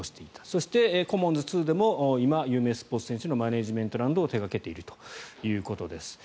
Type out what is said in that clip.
そして、コモンズ２でも今、有名スポーツ選手のマネジメントなどを手掛けているということです。